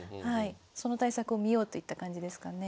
その対策を見ようといった感じですかね。